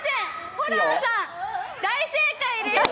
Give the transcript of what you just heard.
ホランさん、大正解です！